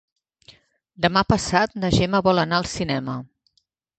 Demà passat na Gemma vol anar al cinema.